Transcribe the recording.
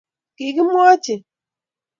Kikimwochi